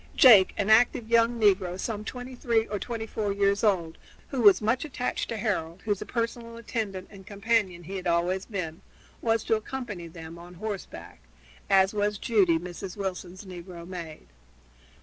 Jake, an active young negro some twenty three or twenty four years old, who was much attached to Harold, whose personal attendant and companion he had always been, was to accompany them on horseback, as was Judy, Mrs. Wilson's negro maid.